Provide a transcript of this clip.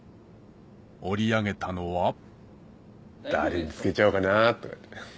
織り上げたのは誰に着けちゃおうかな。